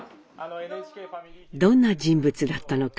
どんな人物だったのか。